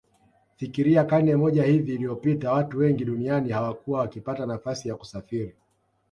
Fikiria karne moja hivi iliyopita watu wengi duniani hawakuwa wakipata nafasi ya kusafiri